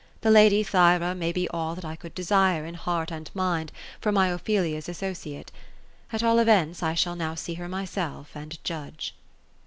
The lady Thyra may be all that I could desire, in heart and mind, for my Ophelia's associate. At all events, I shall now see her myself, and judge."